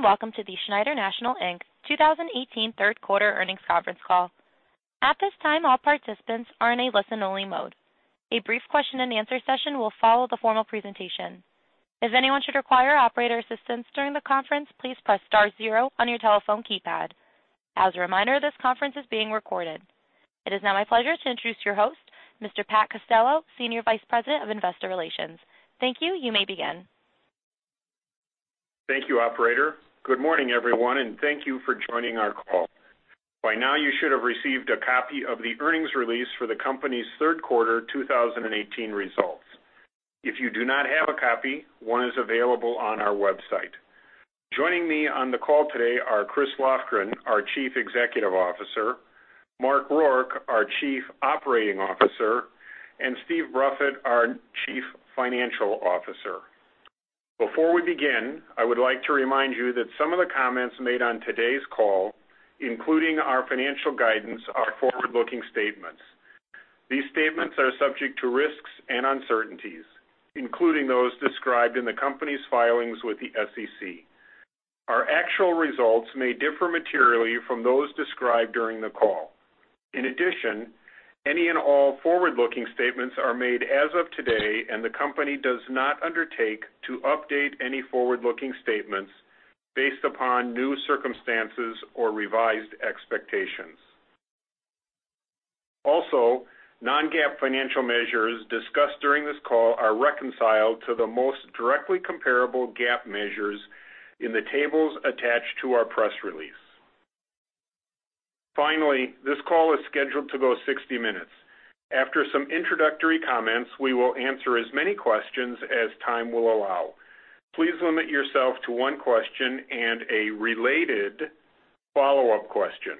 Greetings, and welcome to the Schneider National, Inc 2018 Third Quarter Earnings Conference Call. At this time, all participants are in a listen-only mode. A brief question-and-answer session will follow the formal presentation. If anyone should require operator assistance during the conference, please press star zero on your telephone keypad. As a reminder, this conference is being recorded. It is now my pleasure to introduce your host, Mr. Pat Costello, Senior Vice President of Investor Relations. you. You may begin. Thank you, operator. Good morning, everyone, and thank you for joining our call. By now, you should have received a copy of the earnings release for the company's third quarter 2018 results. If you do not have a copy, one is available on our website. Joining me on the call today are Chris Lofgren, our Chief Executive Officer, Mark Rourke, our Chief Operating Officer, and Steve Bruffett, our Chief Financial Officer. Before we begin, I would like to remind you that some of the comments made on today's call, including our financial guidance, are forward-looking statements. These statements are subject to risks and uncertainties, including those described in the company's filings with the SEC. Our actual results may differ materially from those described during the call. In addition, any and all forward-looking statements are made as of today, and the company does not undertake to update any forward-looking statements based upon new circumstances or revised expectations. Also, non-GAAP financial measures discussed during this call are reconciled to the most directly comparable GAAP measures in the tables attached to our press release. Finally, this call is scheduled to go 60 minutes. After some introductory comments, we will answer as many questions as time will allow. Please limit yourself to one question and a related follow-up question.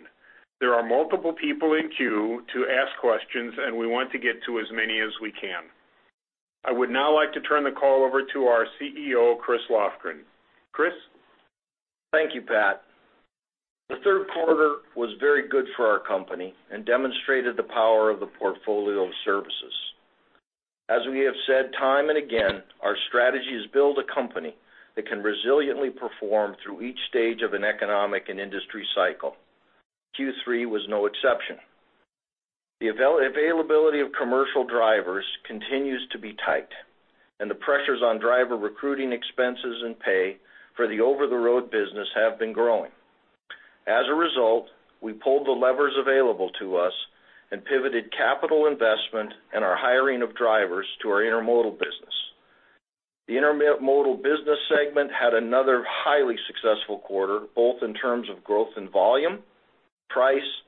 There are multiple people in queue to ask questions, and we want to get to as many as we can. I would now like to turn the call over to our CEO, Chris Lofgren. Chris? Thank you, Pat. The third quarter was very good for our company and demonstrated the power of the portfolio of services. As we have said time and again, our strategy is to build a company that can resiliently perform through each stage of an economic and industry cycle. Q3 was no exception. The availability of commercial drivers continues to be tight, and the pressures on driver recruiting expenses and pay for the over-the-road business have been growing. As a result, we pulled the levers available to us and pivoted capital investment and our hiring of drivers to our Intermodal business. The Intermodal business segment had another highly successful quarter, both in terms of growth and volume, price,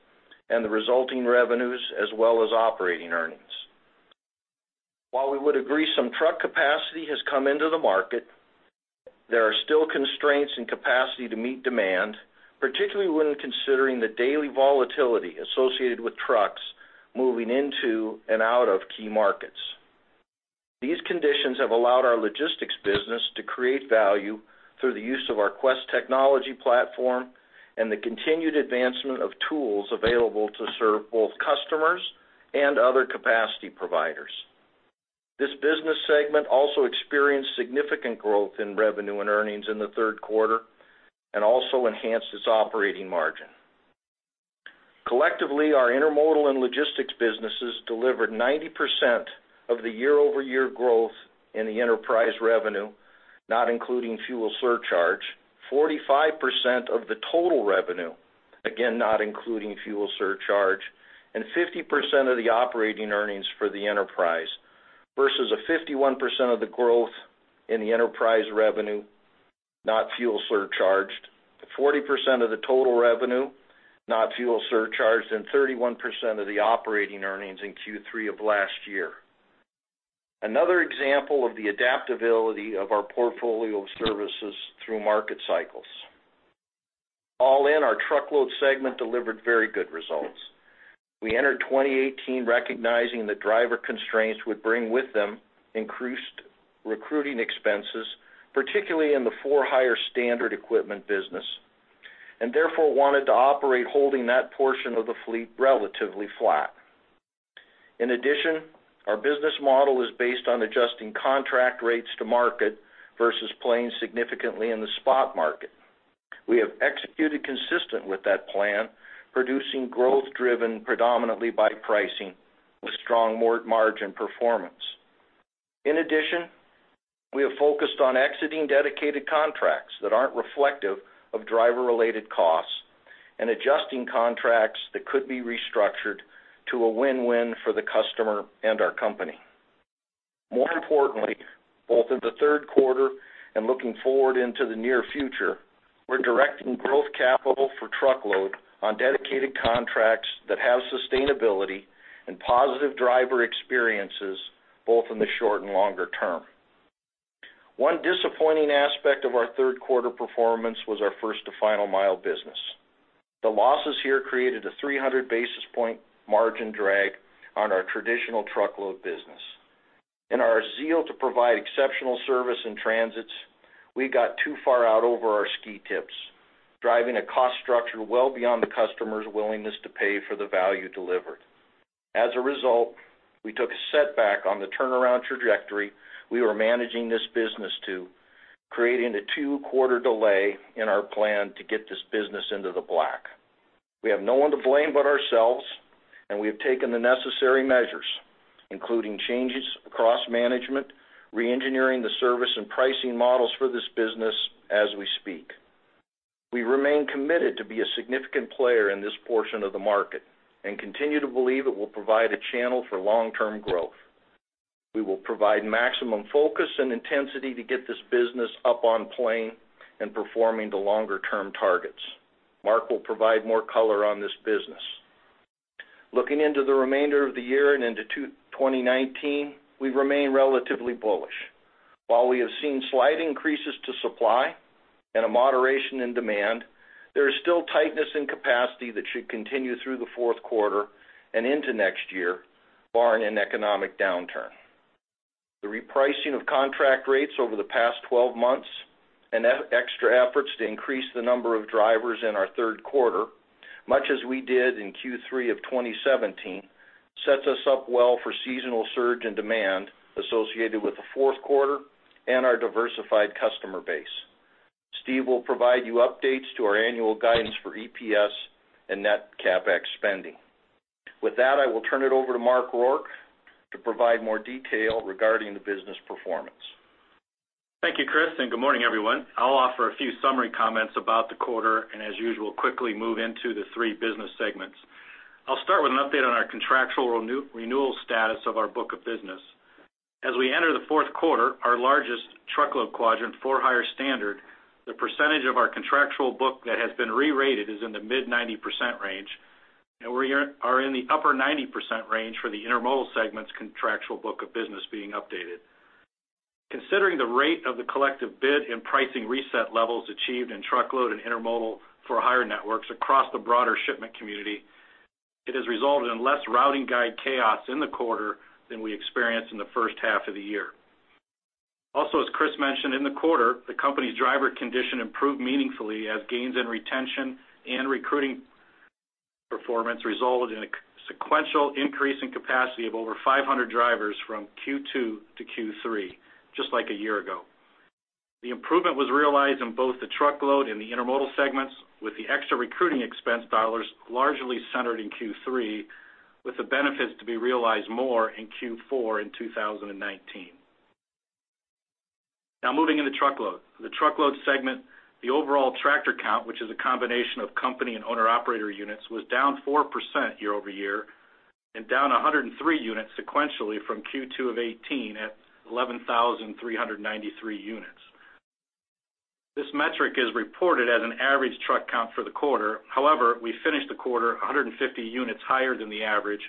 and the resulting revenues, as well as operating earnings. While we would agree some truck capacity has come into the market, there are still constraints in capacity to meet demand, particularly when considering the daily volatility associated with trucks moving into and out of key markets. These conditions have allowed our Logistics business to create value through the use of our Quest technology platform and the continued advancement of tools available to serve both customers and other capacity providers. This business segment also experienced significant growth in revenue and earnings in the third quarter and also enhanced its operating margin. Collectively, our Intermodal and Logistics businesses delivered 90% of the year-over-year growth in the enterprise revenue, not including fuel surcharge, 45% of the total revenue, again, not including fuel surcharge, and 50% of the operating earnings for the enterprise, versus a 51% of the growth in the enterprise revenue, not fuel surcharged, 40% of the total revenue, not fuel surcharged, and 31% of the operating earnings in Q3 of last year. Another example of the adaptability of our portfolio of services through market cycles. All in, our Truckload segment delivered very good results. We entered 2018 recognizing that driver constraints would bring with them increased recruiting expenses, particularly in the For-Hire Standard equipment business, and therefore, wanted to operate holding that portion of the fleet relatively flat. In addition, our business model is based on adjusting contract rates to market versus playing significantly in the spot market. We have executed consistent with that plan, producing growth driven predominantly by pricing with strong margin performance. In addition, we have focused on exiting dedicated contracts that aren't reflective of driver-related costs and adjusting contracts that could be restructured to a win-win for the customer and our company. More importantly, both in the third quarter and looking forward into the near future, we're directing growth capital for Truckload on dedicated contracts that have sustainability and positive driver experiences, both in the short and longer term. One disappointing aspect of our third quarter performance was our First to Final Mile business. The losses here created a 300 basis point margin drag on our traditional Truckload business. In our zeal to provide exceptional service and transits, we got too far out over our ski tips... driving a cost structure well beyond the customer's willingness to pay for the value delivered. As a result, we took a setback on the turnaround trajectory we were managing this business to, creating a two-quarter delay in our plan to get this business into the black. We have no one to blame but ourselves, and we have taken the necessary measures, including changes across management, reengineering the service and pricing models for this business as we speak. We remain committed to be a significant player in this portion of the market and continue to believe it will provide a channel for long-term growth. We will provide maximum focus and intensity to get this business up on plane and performing to longer-term targets. Mark will provide more color on this business. Looking into the remainder of the year and into 2019, we remain relatively bullish. While we have seen slight increases to supply and a moderation in demand, there is still tightness in capacity that should continue through the fourth quarter and into next year, barring an economic downturn. The repricing of contract rates over the past 12 months and extra efforts to increase the number of drivers in our third quarter, much as we did in Q3 of 2017, sets us up well for seasonal surge and demand associated with the fourth quarter and our diversified customer base. Steve will provide you updates to our annual guidance for EPS and net CapEx spending. With that, I will turn it over to Mark Rourke to provide more detail regarding the business performance. Thank you, Chris, and good morning, everyone. I'll offer a few summary comments about the quarter, and as usual, quickly move into the three business segments. I'll start with an update on our contractual renewal status of our book of business. As we enter the fourth quarter, our largest Truckload quadrant, For-Hire Standard, the percentage of our contractual book that has been re-rated is in the mid-90% range, and we're in the upper 90% range for the Intermodal segment's contractual book of business being updated. Considering the rate of the collective bid and pricing reset levels achieved in Truckload and Intermodal for hire networks across the broader shipment community, it has resulted in less routing guide chaos in the quarter than we experienced in the first half of the year. Also, as Chris mentioned, in the quarter, the company's driver condition improved meaningfully as gains in retention and recruiting performance resulted in a sequential increase in capacity of over 500 drivers from Q2 to Q3, just like a year ago. The improvement was realized in both the Truckload and the Intermodal segments, with the extra recruiting expense dollars largely centered in Q3, with the benefits to be realized more in Q4 in 2019. Now, moving into Truckload. The Truckload segment, the overall tractor count, which is a combination of company and owner-operator units, was down 4% year-over-year and down 103 units sequentially from Q2 of 2018 at 11,393 units. This metric is reported as an average truck count for the quarter. However, we finished the quarter 150 units higher than the average,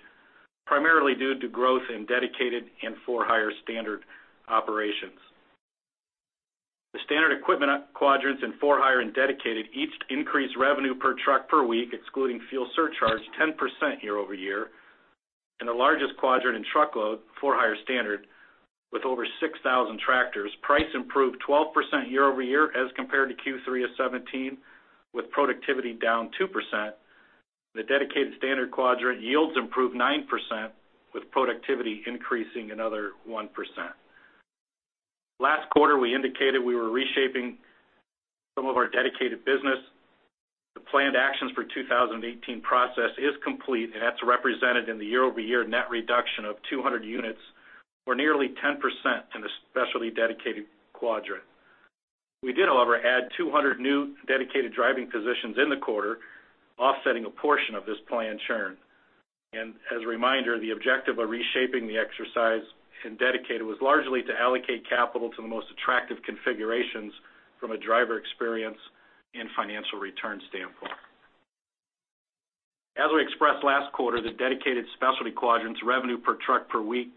primarily due to growth in dedicated and For-Hire Standard operations. The standard equipment quadrants in for hire and dedicated each increased revenue per truck per week, excluding fuel surcharge, 10% year-over-year, and the largest quadrant in Truckload, For-Hire Standard, with over 6,000 tractors, price improved 12% year-over-year as compared to Q3 of 2017, with productivity down 2%. The Dedicated Standard quadrant yields improved 9%, with productivity increasing another 1%. Last quarter, we indicated we were reshaping some of our dedicated business. The planned actions for 2018 process is complete, and that's represented in the year-over-year net reduction of 200 units, or nearly 10% in the specialty dedicated quadrant. We did, however, add 200 new dedicated driving positions in the quarter, offsetting a portion of this planned churn. As a reminder, the objective of reshaping the exercise in Dedicated was largely to allocate capital to the most attractive configurations from a driver experience and financial return standpoint. As we expressed last quarter, the Dedicated Specialty quadrant's revenue per truck per week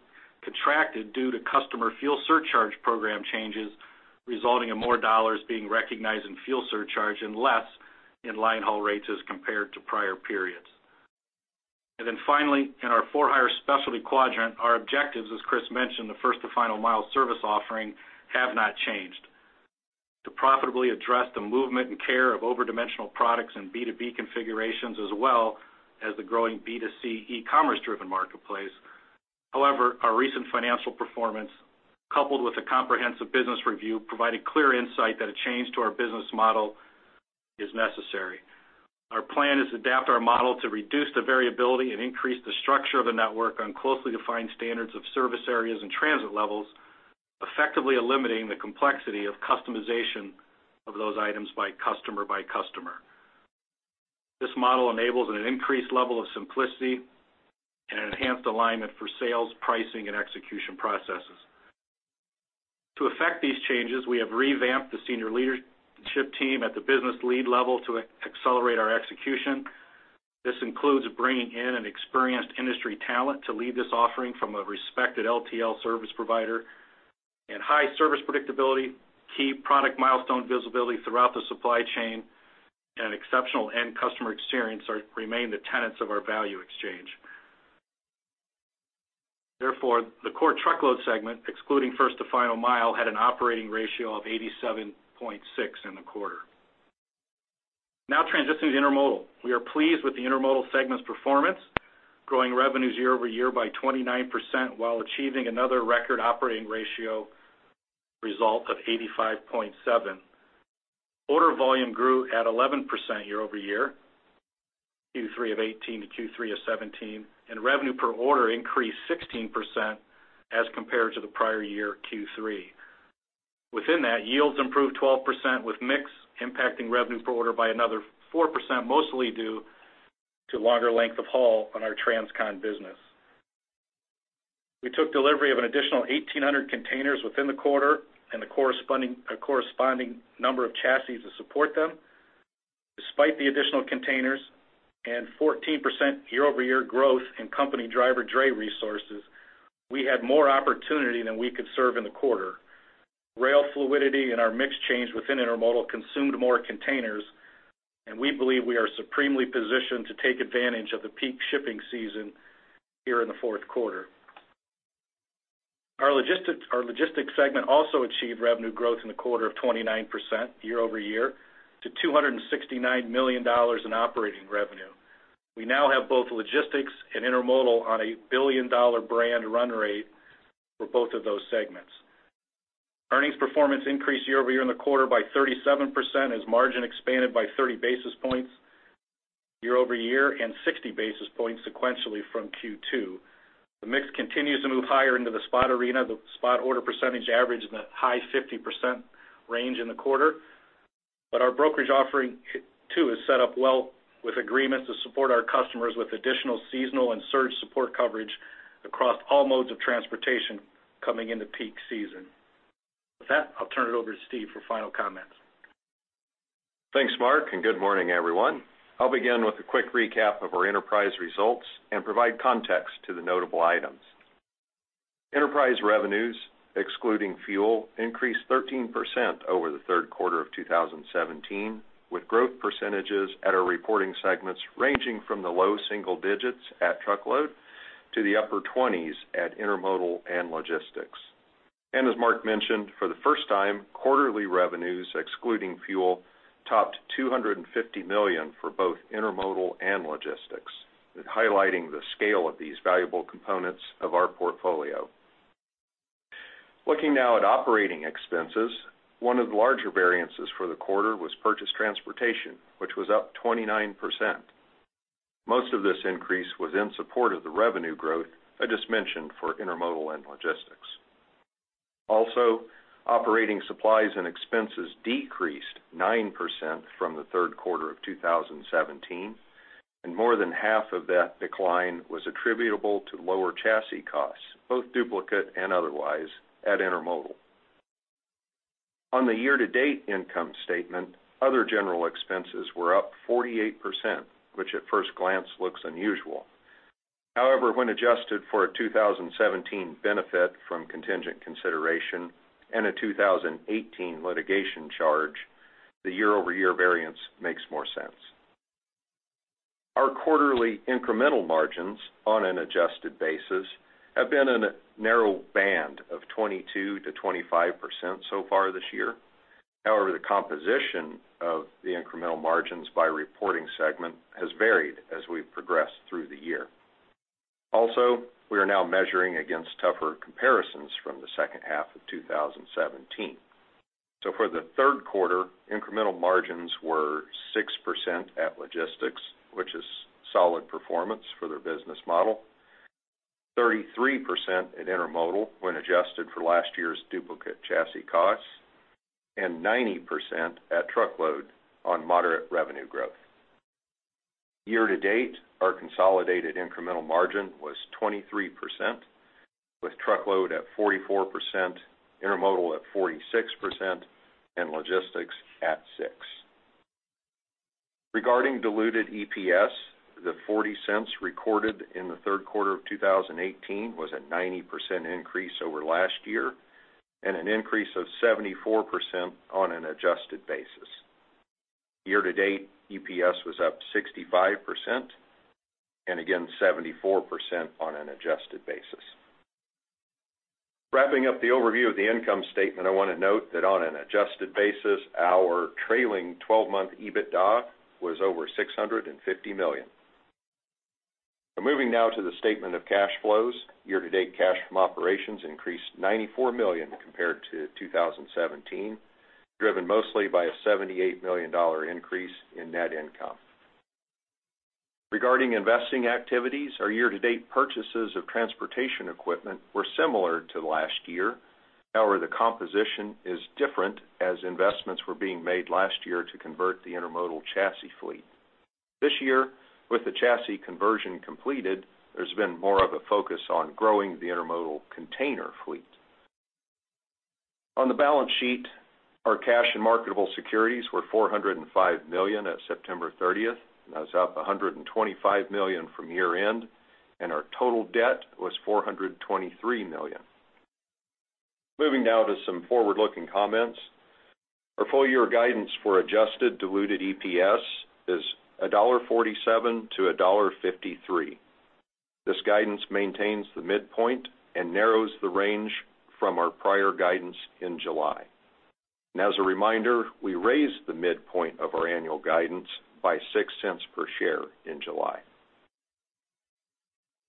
contracted due to customer fuel surcharge program changes, resulting in more dollars being recognized in fuel surcharge and less in line haul rates as compared to prior periods. Finally, in our For-Hire Specialty quadrant, our objectives, as Chris mentioned, the First to Final Mile service offering, have not changed. To profitably address the movement and care of over-dimensional products in B2B configurations, as well as the growing B2C e-commerce-driven marketplace. However, our recent financial performance, coupled with a comprehensive business review, provided clear insight that a change to our business model is necessary. Our plan is to adapt our model to reduce the variability and increase the structure of the network on closely defined standards of service areas and transit levels, effectively eliminating the complexity of customization of those items by customer, by customer. This model enables an increased level of simplicity and an enhanced alignment for sales, pricing, and execution processes. To affect these changes, we have revamped the senior leadership team at the business lead level to accelerate our execution. This includes bringing in an experienced industry talent to lead this offering from a respected LTL service provider, and high service predictability, key product milestone visibility throughout the supply chain, and exceptional end customer experience are remain the tenets of our value exchange. Therefore, the core Truckload segment, excluding First to Final Mile, had an operating ratio of 87.6 in the quarter. Now transitioning to Intermodal. We are pleased with the Intermodal segment's performance, growing revenues year-over-year by 29%, while achieving another record operating ratio result of 85.7. Order volume grew at 11% year-over-year, Q3 of 2018 to Q3 of 2017, and revenue per order increased 16% as compared to the prior year, Q3. Within that, yields improved 12%, with mix impacting revenue per order by another 4%, mostly due to longer length of haul on our transcon business. We took delivery of an additional 1,800 containers within the quarter and a corresponding number of chassis to support them. Despite the additional containers and 14% year-over-year growth in company driver dray resources, we had more opportunity than we could serve in the quarter. Rail fluidity and our mix change within Intermodal consumed more containers, and we believe we are supremely positioned to take advantage of the peak shipping season here in the fourth quarter. Our Logistics, our Logistics segment also achieved revenue growth in the quarter of 29% year-over-year, to $269 million in operating revenue. We now have both Logistics and Intermodal on a billion-dollar brand run rate for both of those segments. Earnings performance increased year-over-year in the quarter by 37%, as margin expanded by 30 basis points year-over-year and 60 basis points sequentially from Q2. The mix continues to move higher into the spot arena. The spot order percentage averaged in the high 50% range in the quarter, but our brokerage offering too, is set up well with agreements to support our customers with additional seasonal and surge support coverage across all modes of transportation coming into peak season. With that, I'll turn it over to Steve for final comments. Thanks, Mark, and good morning, everyone. I'll begin with a quick recap of our enterprise results and provide context to the notable items. Enterprise revenues, excluding fuel, increased 13% over the third quarter of 2017, with growth percentages at our reporting segments ranging from the low single digits at Truckload to the upper twenties at Intermodal and Logistics. And as Mark mentioned, for the first time, quarterly revenues, excluding fuel, topped $250 million for both Intermodal and Logistics, highlighting the scale of these valuable components of our portfolio. Looking now at operating expenses, one of the larger variances for the quarter was purchased transportation, which was up 29%. Most of this increase was in support of the revenue growth I just mentioned for Intermodal and Logistics. Also, operating supplies and expenses decreased 9% from the third quarter of 2017, and more than half of that decline was attributable to lower chassis costs, both duplicate and otherwise, at Intermodal. On the year-to-date income statement, other general expenses were up 48%, which at first glance, looks unusual. However, when adjusted for a 2017 benefit from contingent consideration and a 2018 litigation charge, the year-over-year variance makes more sense. Our quarterly incremental margins on an adjusted basis have been in a narrow band of 22%-25% so far this year. However, the composition of the incremental margins by reporting segment has varied as we've progressed through the year. Also, we are now measuring against tougher comparisons from the second half of 2017. So for the third quarter, incremental margins were 6% at Logistics, which is solid performance for their business model, 33% at Intermodal when adjusted for last year's duplicate chassis costs, and 90% at Truckload on moderate revenue growth. Year to date, our consolidated incremental margin was 23%, with Truckload at 44%, Intermodal at 46%, and Logistics at 6%. Regarding diluted EPS, the $0.40 recorded in the third quarter of 2018 was a 90% increase over last year and an increase of 74% on an adjusted basis. Year to date, EPS was up 65%, and again, 74% on an adjusted basis. Wrapping up the overview of the income statement, I want to note that on an adjusted basis, our trailing 12-month EBITDA was over $650 million. Moving now to the statement of cash flows. Year-to-date cash from operations increased $94 million compared to 2017, driven mostly by a $78 million increase in net income. Regarding investing activities, our year-to-date purchases of transportation equipment were similar to last year. However, the composition is different, as investments were being made last year to convert the Intermodal chassis fleet. This year, with the chassis conversion completed, there's been more of a focus on growing the Intermodal container fleet. On the balance sheet, our cash and marketable securities were $405 million at September 30th. That was up $125 million from year-end, and our total debt was $423 million. Moving now to some forward-looking comments. Our full year guidance for adjusted diluted EPS is $1.47-$1.53. This guidance maintains the midpoint and narrows the range from our prior guidance in July. As a reminder, we raised the midpoint of our annual guidance by $0.06 per share in July.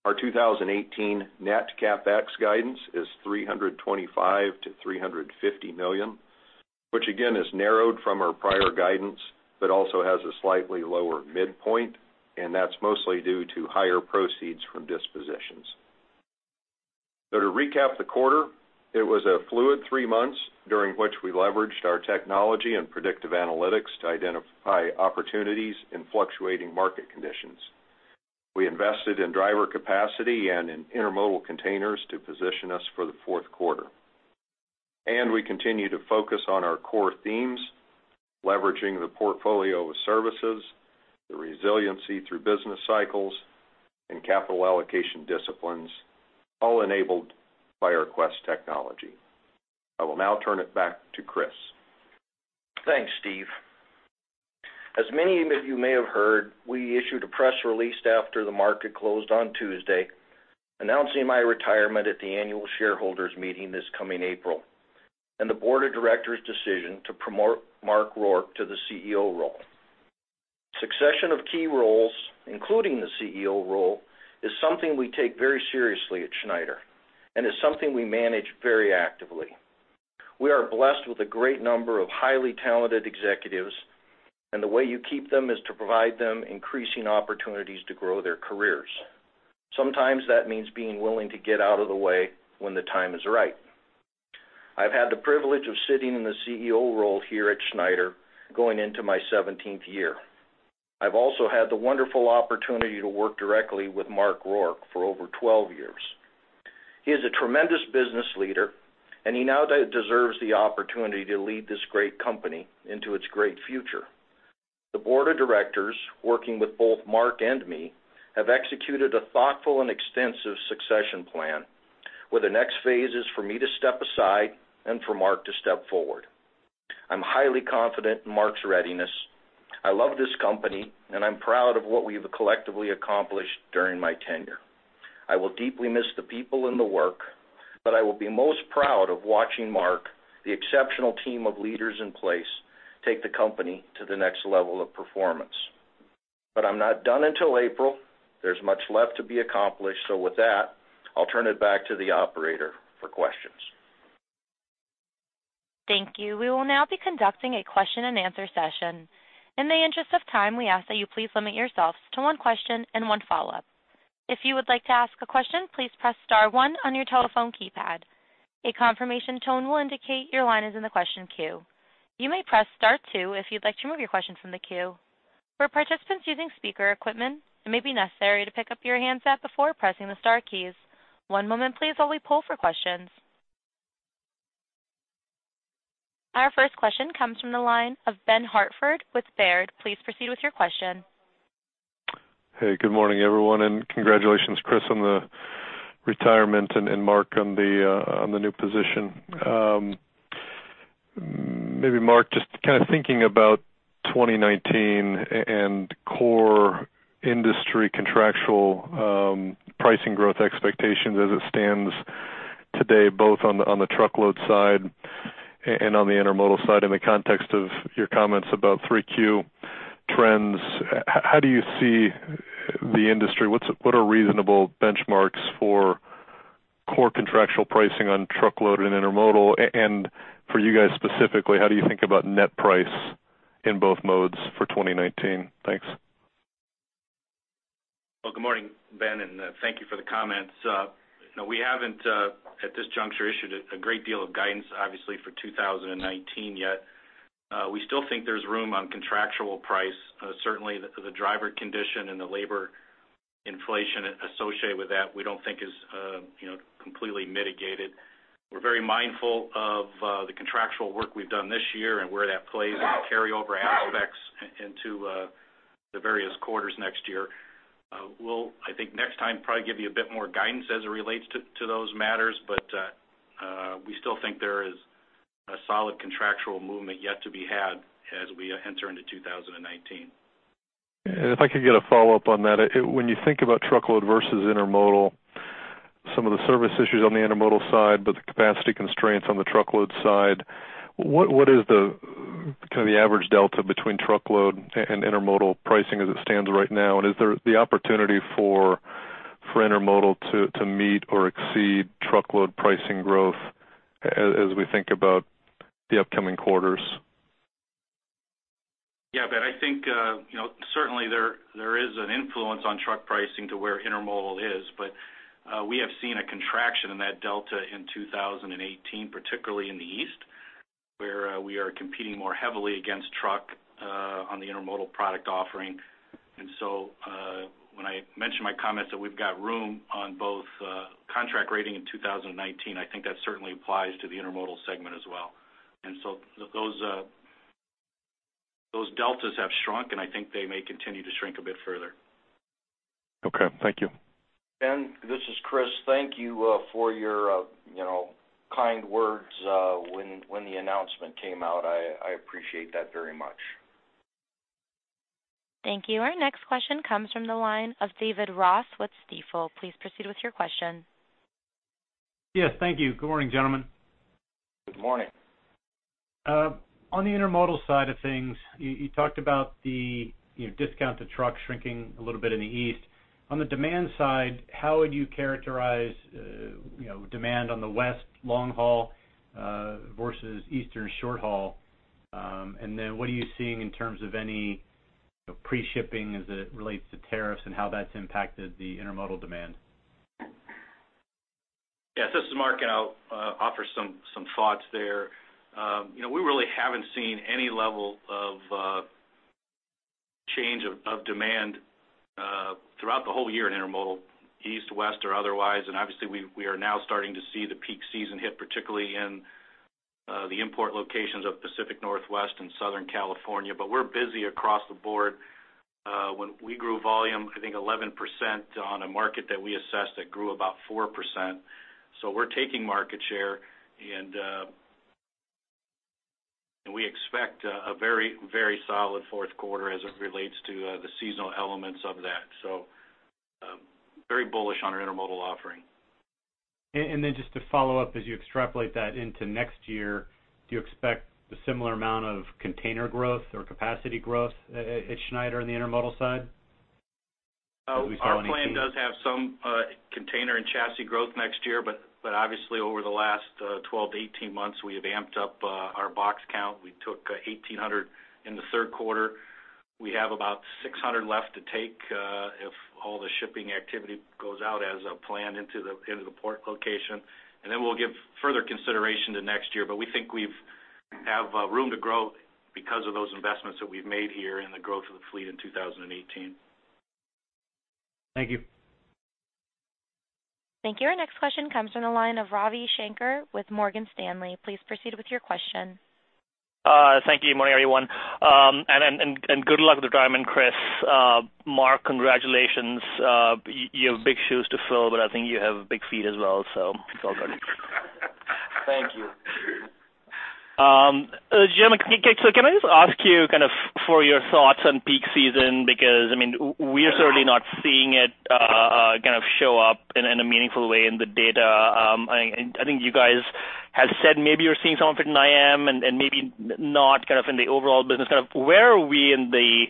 Our 2018 net CapEx guidance is $325 million-$350 million, which again, is narrowed from our prior guidance, but also has a slightly lower midpoint, and that's mostly due to higher proceeds from dispositions. So to recap the quarter, it was a fluid three months during which we leveraged our technology and predictive analytics to identify opportunities in fluctuating market conditions. We invested in driver capacity and in Intermodal containers to position us for the fourth quarter, and we continue to focus on our core themes, leveraging the portfolio of services, the resiliency through business cycles, and capital allocation disciplines, all enabled by our Quest technology. I will now turn it back to Chris. Thanks, Steve. As many of you may have heard, we issued a press release after the market closed on Tuesday, announcing my retirement at the annual shareholders' meeting this coming April, and the board of directors' decision to promote Mark Rourke to the CEO role. Succession of key roles, including the CEO role, is something we take very seriously at Schneider and is something we manage very actively. We are blessed with a great number of highly talented executives, and the way you keep them is to provide them increasing opportunities to grow their careers. Sometimes that means being willing to get out of the way when the time is right. I've had the privilege of sitting in the CEO role here at Schneider, going into my seventeenth year. I've also had the wonderful opportunity to work directly with Mark Rourke for over 12 years. He is a tremendous business leader, and he now deserves the opportunity to lead this great company into its great future. The board of directors, working with both Mark and me, have executed a thoughtful and extensive succession plan, where the next phase is for me to step aside and for Mark to step forward. I'm highly confident in Mark's readiness. I love this company, and I'm proud of what we've collectively accomplished during my tenure. I will deeply miss the people and the work, but I will be most proud of watching Mark, the exceptional team of leaders in place, take the company to the next level of performance. But I'm not done until April. There's much left to be accomplished. So with that, I'll turn it back to the operator for questions. Thank you. We will now be conducting a question-and-answer session. In the interest of time, we ask that you please limit yourselves to one question and one follow-up. If you would like to ask a question, please press star one on your telephone keypad. A confirmation tone will indicate your line is in the question queue. You may press star two if you'd like to remove your question from the queue. For participants using speaker equipment, it may be necessary to pick up your handset before pressing the star keys. One moment please, while we poll for questions. Our first question comes from the line of Ben Hartford with Baird. Please proceed with your question. Hey, good morning, everyone, and congratulations, Chris, on the retirement and Mark, on the new position. Maybe Mark, just kind of thinking about 2019 and core industry contractual pricing growth expectations as it stands today, both on the Truckload side and on the Intermodal side, in the context of your comments about 3Q trends, how do you see the industry? What are reasonable benchmarks for core contractual pricing on Truckload and Intermodal? And for you guys, specifically, how do you think about net price in both modes for 2019? Thanks. Well, good morning, Ben, and thank you for the comments. No, we haven't at this juncture issued a great deal of guidance, obviously, for 2019 yet. We still think there's room on contractual price. Certainly, the driver condition and the labor inflation associated with that, we don't think is, you know, completely mitigated. We're very mindful of the contractual work we've done this year and where that plays in the carryover aspects into the various quarters next year. We'll, I think, next time, probably give you a bit more guidance as it relates to those matters, but we still think there is a solid contractual movement yet to be had as we enter into 2019. If I could get a follow-up on that. When you think about Truckload versus Intermodal, some of the service issues on the Intermodal side, but the capacity constraints on the Truckload side, what is the kind of the average delta between Truckload and Intermodal pricing as it stands right now? And is there the opportunity for Intermodal to meet or exceed Truckload pricing growth as we think about the upcoming quarters? Yeah, Ben, I think, you know, certainly there, there is an influence on truck pricing to where Intermodal is, but we have seen a contraction in that delta in 2018, particularly in the East, where we are competing more heavily against truck on the Intermodal product offering. And so, when I mentioned my comments that we've got room on both, contract rating in 2019, I think that certainly applies to the Intermodal segment as well. And so those-... those deltas have shrunk, and I think they may continue to shrink a bit further. Okay, thank you. Ben, this is Chris. Thank you for your, you know, kind words when the announcement came out. I appreciate that very much. Thank you. Our next question comes from the line of David Ross with Stifel. Please proceed with your question. Yes, thank you. Good morning, gentlemen. Good morning. On the Intermodal side of things, you, you talked about the, you know, discount to truck shrinking a little bit in the East. On the demand side, how would you characterize, you know, demand on the West long haul versus Eastern short haul? And then what are you seeing in terms of any pre-shipping as it relates to tariffs and how that's impacted the Intermodal demand? Yes, this is Mark, and I'll offer some thoughts there. You know, we really haven't seen any level of change of demand throughout the whole year in Intermodal, east, west, or otherwise, and obviously, we are now starting to see the peak season hit, particularly in the import locations of Pacific Northwest and Southern California. But we're busy across the board, when we grew volume, I think 11% on a market that we assessed that grew about 4%. So we're taking market share, and we expect a very, very solid fourth quarter as it relates to the seasonal elements of that. So, very bullish on our Intermodal offering. And then just to follow up, as you extrapolate that into next year, do you expect a similar amount of container growth or capacity growth at Schneider on the Intermodal side? Our plan does have some, container and chassis growth next year, but, but obviously, over the last, 12-18 months, we have amped up, our box count. We took, 1,800 in the third quarter. We have about 600 left to take, if all the shipping activity goes out as, planned into the port location, and then we'll give further consideration to next year. But we think we've have, room to grow because of those investments that we've made here and the growth of the fleet in 2018. Thank you. Thank you. Our next question comes from the line of Ravi Shanker with Morgan Stanley. Please proceed with your question. Thank you. Good morning, everyone, good luck with retirement, Chris. Mark, congratulations, you have big shoes to fill, but I think you have big feet as well, so it's all good. Thank you. Gentlemen, so can I just ask you kind of for your thoughts on peak season? Because, I mean, we're certainly not seeing it kind of show up in a meaningful way in the data. And I think you guys have said maybe you're seeing something than I am and maybe not kind of in the overall business. Kind of where are we in the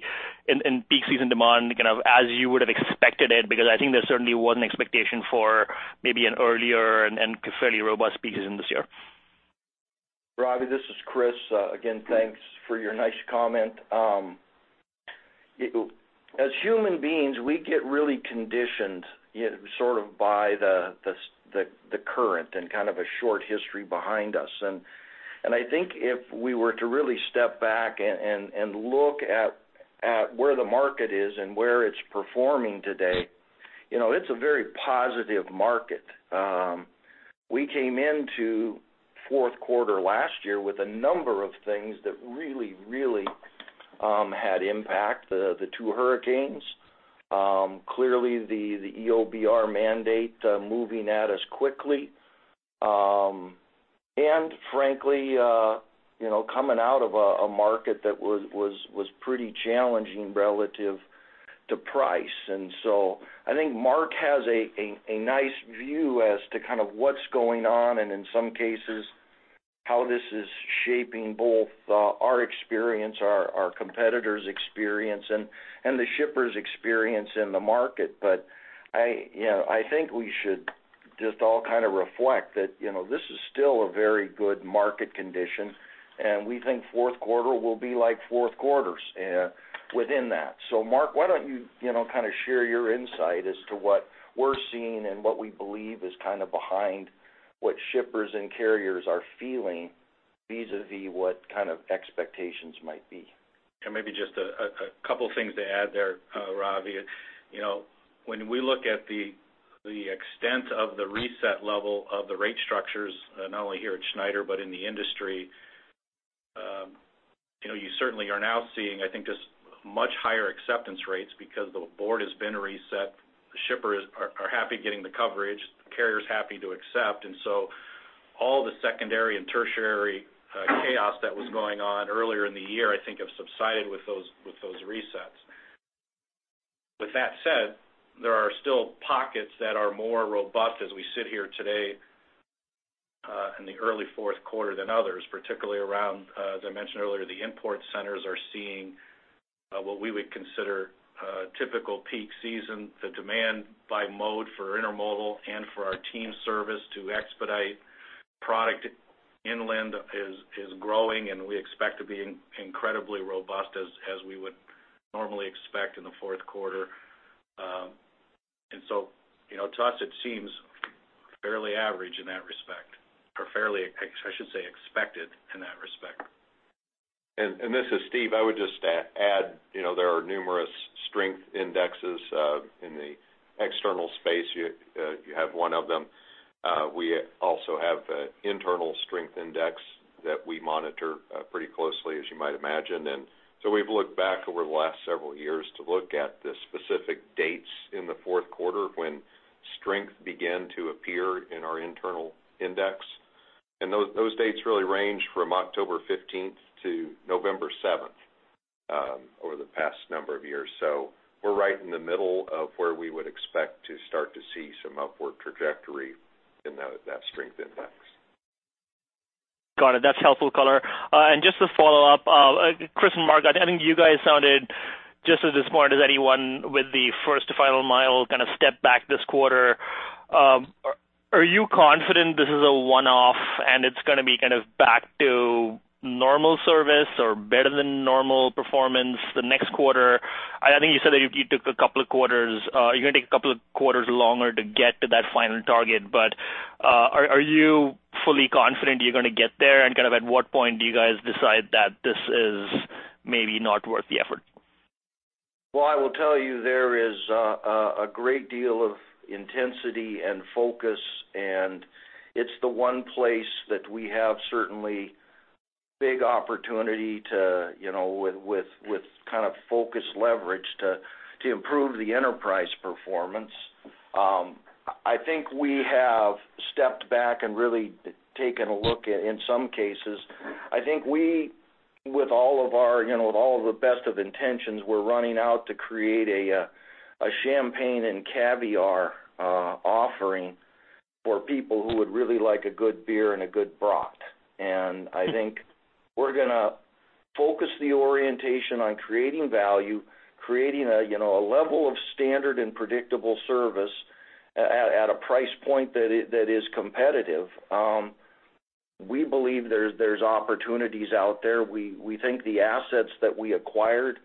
peak season demand, kind of as you would have expected it, because I think there certainly was an expectation for maybe an earlier and fairly robust peak season this year. Ravi, this is Chris. Again, thanks for your nice comment. As human beings, we get really conditioned, you know, sort of by the current and kind of a short history behind us. And I think if we were to really step back and look at where the market is and where it's performing today, you know, it's a very positive market. We came into fourth quarter last year with a number of things that really had impact, the two hurricanes, clearly, the EOBR mandate moving at us quickly, and frankly, you know, coming out of a market that was pretty challenging relative to price. And so I think Mark has a nice view as to kind of what's going on, and in some cases, how this is shaping both our experience, our competitors' experience and the shippers' experience in the market. But I, you know, I think we should just all kind of reflect that, you know, this is still a very good market condition, and we think fourth quarter will be like fourth quarters within that. So Mark, why don't you, you know, kind of share your insight as to what we're seeing and what we believe is kind of behind what shippers and carriers are feeling, vis-a-vis what kind of expectations might be? Maybe just a couple things to add there, Ravi. You know, when we look at the extent of the reset level of the rate structures, not only here at Schneider, but in the industry, you know, you certainly are now seeing, I think, just much higher acceptance rates because the board has been reset. The shippers are happy getting the coverage, the carriers happy to accept, and so all the secondary and tertiary chaos that was going on earlier in the year, I think, have subsided with those resets. With that said, there are still pockets that are more robust as we sit here today in the early fourth quarter than others, particularly around, as I mentioned earlier, the import centers are seeing what we would consider typical peak season. The demand by mode for Intermodal and for our team service to expedite product inland is growing, and we expect to be incredibly robust as we would normally expect in the fourth quarter. And so, you know, to us, it seems fairly average in that respect, or fairly, I should say, expected in that respect. This is Steve. I would just add, you know, there are numerous strength indexes in the external space. You have one of them. We also have an internal strength index that we monitor pretty closely, as you might imagine. And so we've looked back over the last several years to look at the specific dates in the fourth quarter when strength began to appear in our internal index. And those dates really range from October fifteenth to November seventh over the past number of years. So we're right in the middle of where we would expect to start to see some upward trajectory in that strength index. Got it. That's helpful color. And just to follow up, Chris and Mark, I think you guys sounded just as smart as anyone with the First to Final Mile, kind of step back this quarter. Are, are you confident this is a one-off, and it's gonna be kind of back to normal service or better than normal performance the next quarter? I think you said that you, you took a couple of quarters, you're gonna take a couple of quarters longer to get to that final target. But, are, are you fully confident you're gonna get there? And kind of, at what point do you guys decide that this is maybe not worth the effort? Well, I will tell you, there is a great deal of intensity and focus, and it's the one place that we have certainly big opportunity to, you know, with kind of focused leverage to improve the enterprise performance. I think we have stepped back and really taken a look at, in some cases, I think we, with all of our, you know, with all of the best of intentions, we're running out to create a champagne and caviar offering for people who would really like a good beer and a good brat. And I think we're gonna focus the orientation on creating value, creating a, you know, a level of standard and predictable service at a price point that is competitive. We believe there's opportunities out there. We think the assets that we acquired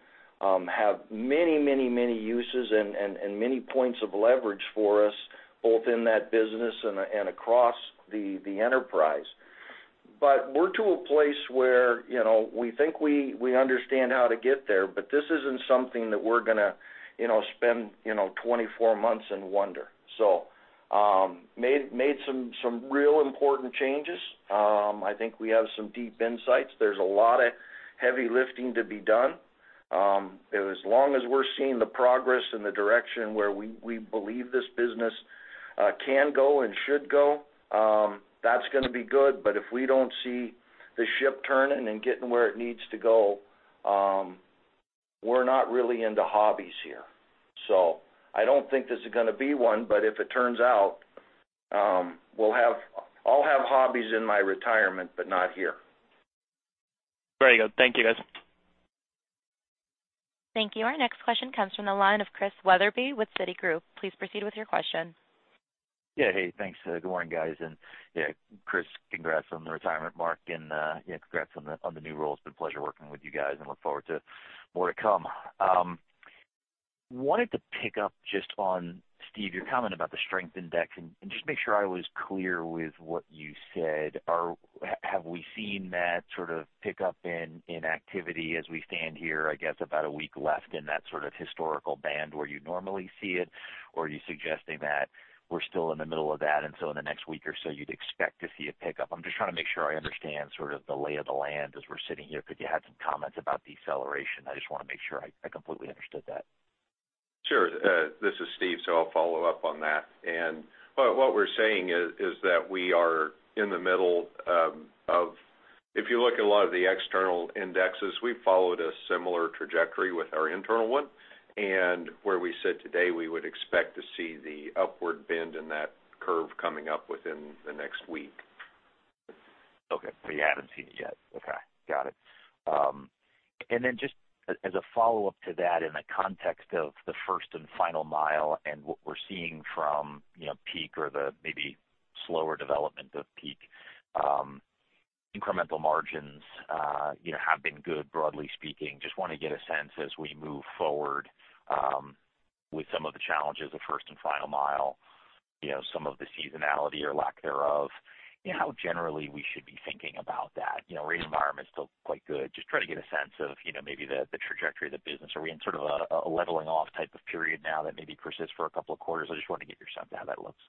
have many, many, many uses and many points of leverage for us, both in that business and across the enterprise. But we're to a place where, you know, we think we understand how to get there, but this isn't something that we're gonna, you know, spend 24 months and wonder. So, made some real important changes. I think we have some deep insights. There's a lot of heavy lifting to be done. As long as we're seeing the progress and the direction where we believe this business can go and should go, that's gonna be good. But if we don't see the ship turning and getting where it needs to go, we're not really into hobbies here. I don't think this is gonna be one, but if it turns out, I'll have hobbies in my retirement, but not here. Very good. Thank you, guys. Thank you. Our next question comes from the line of Chris Wetherbee with Citigroup. Please proceed with your question. Yeah, hey, thanks. Good morning, guys. And, yeah, Chris, congrats on the retirement, Mark, and yeah, congrats on the new role. It's been a pleasure working with you guys and look forward to more to come. Wanted to pick up just on, Steve, your comment about the strength index, and, and just make sure I was clear with what you said. Have we seen that sort of pick up in activity as we stand here, I guess, about a week left in that sort of historical band where you normally see it? Or are you suggesting that we're still in the middle of that, and so in the next week or so, you'd expect to see a pickup? I'm just trying to make sure I understand sort of the lay of the land as we're sitting here, because you had some comments about deceleration. I just want to make sure I, I completely understood that. Sure. This is Steve, so I'll follow up on that. Well, what we're saying is that we are in the middle. If you look at a lot of the external indexes, we've followed a similar trajectory with our internal one. Where we sit today, we would expect to see the upward bend in that curve coming up within the next week. Okay. So you haven't seen it yet? Okay, got it. And then just as a follow-up to that, in the context of the First to Final mile and what we're seeing from, you know, peak or the maybe slower development of peak, incremental margins, you know, have been good, broadly speaking. Just want to get a sense as we move forward with some of the challenges of First to Final mile, you know, some of the seasonality or lack thereof, you know, how generally we should be thinking about that. You know, rate environment is still quite good. Just trying to get a sense of, you know, maybe the trajectory of the business. Are we in sort of a leveling off type of period now that maybe persists for a couple of quarters? I just want to get your sense of how that looks.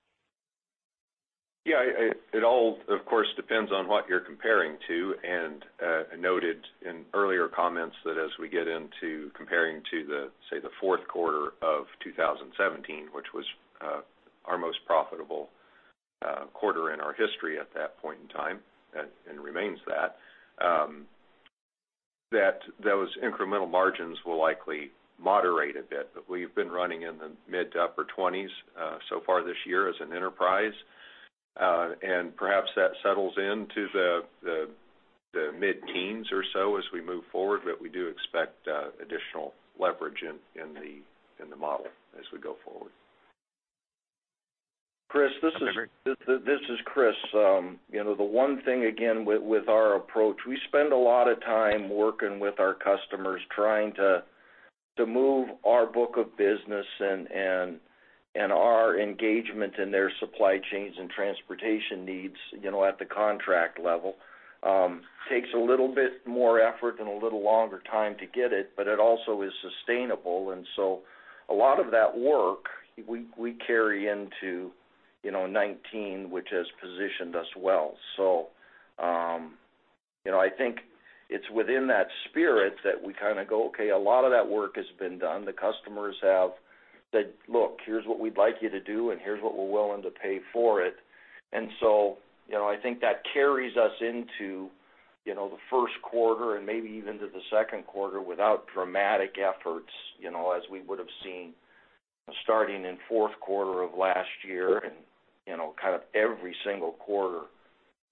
Yeah, it all, of course, depends on what you're comparing to. And I noted in earlier comments that as we get into comparing to, say, the fourth quarter of 2017, which was our most profitable quarter in our history at that point in time, and remains that those incremental margins will likely moderate a bit. But we've been running in the mid-20s to upper 20s so far this year as an enterprise. And perhaps that settles in to the mid-teens or so as we move forward, but we do expect additional leverage in the model as we go forward. Chris, this is- Okay. This is Chris. You know, the one thing again with our approach, we spend a lot of time working with our customers, trying to move our book of business and our engagement in their supply chains and transportation needs, you know, at the contract level. Takes a little bit more effort and a little longer time to get it, but it also is sustainable. And so a lot of that work we carry into, you know, 2019, which has positioned us well. So you know, I think it's within that spirit that we kind of go, okay, a lot of that work has been done. The customers have said, "Look, here's what we'd like you to do, and here's what we're willing to pay for it." And so, you know, I think that carries us into, you know, the first quarter and maybe even into the second quarter without dramatic efforts, you know, as we would have seen starting in fourth quarter of last year and, you know, kind of every single quarter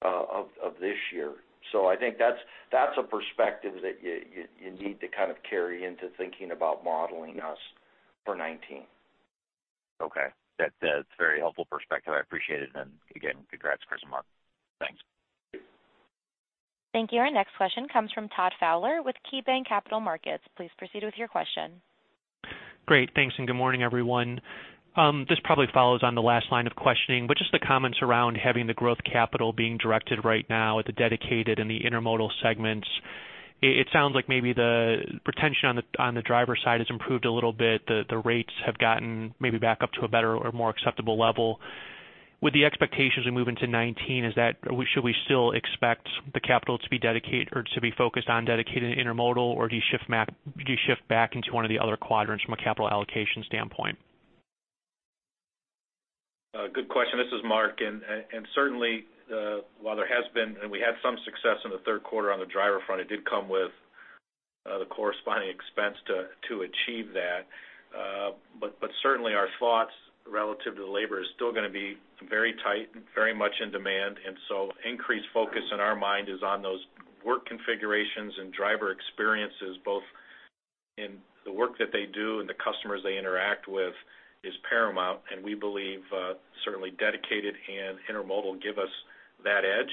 of this year. So I think that's a perspective that you need to kind of carry into thinking about modeling us for 2019. Okay. That, that's a very helpful perspective. I appreciate it, and again, congrats, Chris and Mark. Thanks. Thank you. Our next question comes from Todd Fowler with KeyBanc Capital Markets. Please proceed with your question. Great. Thanks, and good morning, everyone. This probably follows on the last line of questioning, but just the comments around having the growth capital being directed right now at the Dedicated and the Intermodal segments. It sounds like maybe the retention on the driver side has improved a little bit. The rates have gotten maybe back up to a better or more acceptable level. With the expectations we move into 2019, should we still expect the capital to be dedicated or to be focused on Dedicated Intermodal, or do you shift back into one of the other quadrants from a capital allocation standpoint? Good question. This is Mark. Certainly, while there has been, and we had some success in the third quarter on the driver front, it did come with the corresponding expense to achieve that. But certainly our thoughts relative to the labor is still gonna be very tight, very much in demand, and so increased focus on our mind is on those work configurations and driver experiences, both in the work that they do and the customers they interact with, is paramount, and we believe certainly Dedicated and Intermodal give us that edge,